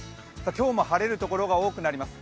今日も晴れるところが多くなります。